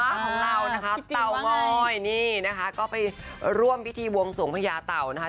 ของเรานะคะเตางอยนี่นะคะก็ไปร่วมพิธีบวงสวงพญาเต่านะคะ